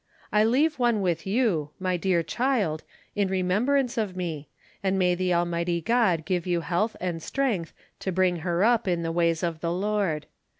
I leave one with you, my dear child, in remembrance of me, and may the Almighty God give you health and strength to bring her up in the ways of the Lord.